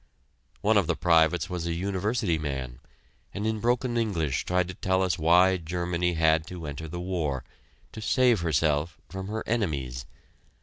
One of the privates was a university man, and in broken English tried to tell us why Germany had to enter the war, to save herself from her enemies.